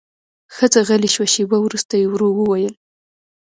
ښځه غلې شوه، شېبه وروسته يې ورو وويل: